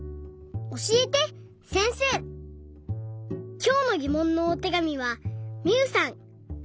きょうのぎもんのおてがみはみゆさん８さいから。